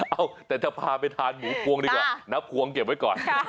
เอ้าแต่จะพาไปทานหมูพวงดีกว่านับพวงเก็บไว้ก่อน